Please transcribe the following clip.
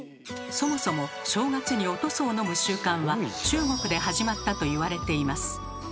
そもそも正月にお屠蘇を飲む習慣は中国で始まったと言われています。